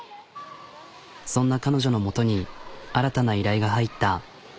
そんな彼女の元に新たな依頼が入った。